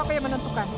apa yang menentukan